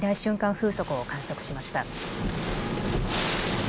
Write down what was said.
風速を観測しました。